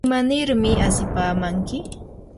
¿imanirmi asipamanki?